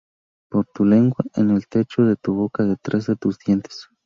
Pon tu lengua en el techo de tu boca, detrás de tus dientes.